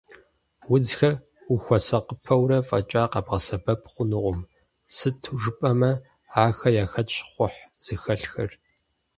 Удзхэр ухуэсакъыпэурэ фӏэкӏа къэбгъэсэбэп хъунукъым, сыту жыпӏэмэ, ахэм яхэтщ щхъухь зыхэлъхэр.